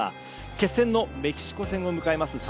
決戦のメキシコ戦を迎える侍